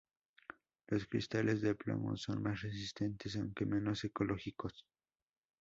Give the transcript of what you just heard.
Los cristales de plomo son más resistentes, aunque menos ecológicos.